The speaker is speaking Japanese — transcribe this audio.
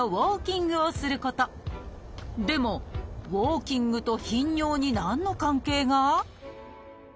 でもウォーキングと頻尿に何の関係が？